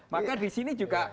maka di sini juga